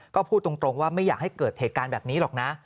ก็พูดตรงว่าไม่อยากให้เกิดเหตุการณ์แบบนี้หรอกนะ